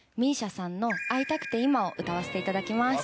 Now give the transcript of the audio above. ＭＩＳＩＡさんの『逢いたくていま』を歌わせて頂きます。